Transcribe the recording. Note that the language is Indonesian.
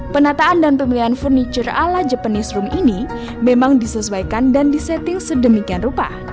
penataan dan pemilihan furniture ala japanese room ini memang disesuaikan dan disetting sedemikian rupa